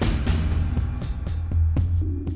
อันที่ไปไว้